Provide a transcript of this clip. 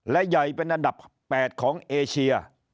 และใหญ่เป็นอันดับ๘ของเอเชีย